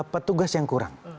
petugas yang kurang